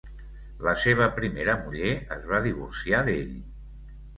La seva primera muller es va divorciar d'ell.